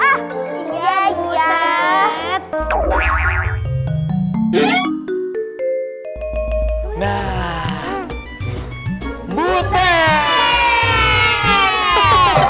nanti si haikau nya lagi baru datang